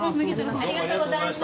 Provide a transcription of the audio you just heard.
ありがとうございます。